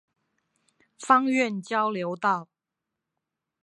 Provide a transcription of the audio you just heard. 芳苑交流道